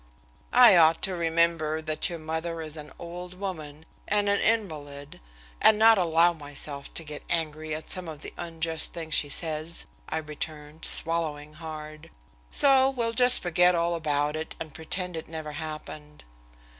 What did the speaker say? "I ought to remember that your mother is an old woman, and an invalid, and not allow myself to get angry at some of the unjust things she says," I returned, swallowing hard. "So we'll just forget all about it and pretend it never happened."